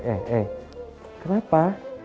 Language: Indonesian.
eh eh kenapa